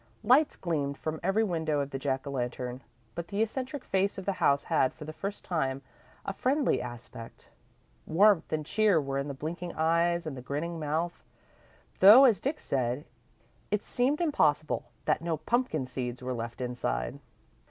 Lights gleamed from every window of the Jack o' Lantern, but the eccentric face of the house had, for the first time, a friendly aspect. Warmth and cheer were in the blinking eyes and the grinning mouth, though, as Dick said, it seemed impossible that "no pumpkin seeds were left inside."